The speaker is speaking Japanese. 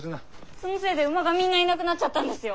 そのせいで馬がみんないなくなっちゃったんですよ！